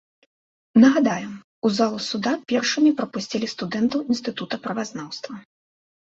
Нагадаем, у залу суда першымі прапусцілі студэнтаў інстытута правазнаўства.